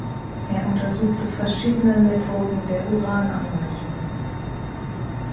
Er untersuchte verschiedenen Methoden der Urananreicherung.